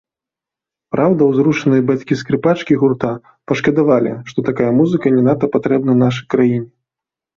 Праўда, узрушаныя бацькі скрыпачкі гурта пашкадавалі, што такая музыка не надта патрэбная нашай краіне.